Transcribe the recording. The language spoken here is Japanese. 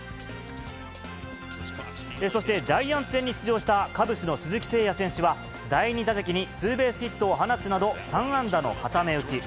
そしてジャイアンツ戦に出場したカブスの鈴木誠也選手は、第２打席にツーベースヒットを放つなど、３安打の固め打ち。